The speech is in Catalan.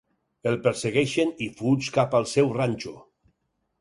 El persegueixen i fuig cap al seu ranxo.